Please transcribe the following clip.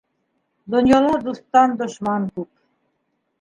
Донъяла дуҫтан дошман күп.